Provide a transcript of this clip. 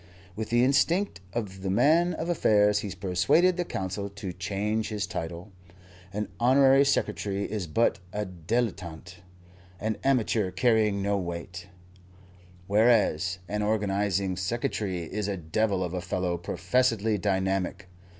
With the instinct of the man of affairs he persuaded the Council to change his title. An Honorary Secretary is but a dilettante, an amateur carrying no weight, whereas an Organizing Secretary is a devil of a fellow professedly dynamic.